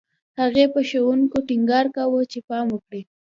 هغې په ښوونکو ټینګار کاوه چې پام وکړي